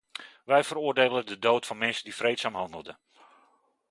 Wij veroordelen de dood van mensen die vreedzaam handelden.